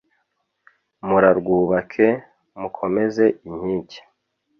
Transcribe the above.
Murarwubake mukomeze inkike